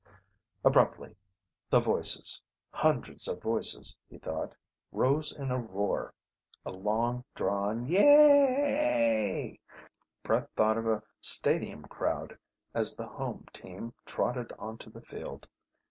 Abruptly the voices hundreds of voices, he thought rose in a roar, a long drawn Yaaayyyyy...! Brett thought of a stadium crowd as the home team trotted onto the field.